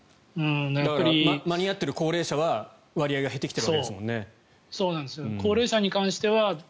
間に合っている高齢者は割合が減ってきてるわけですもんね。